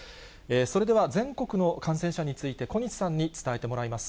それでは全国の感染者について、小西さんに伝えてもらいます。